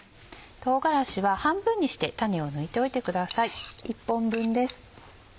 唐辛子は半分にして種を抜いておいてください。